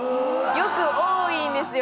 よく多いんですよ。